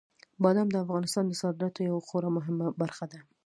بادام د افغانستان د صادراتو یوه خورا مهمه برخه ده.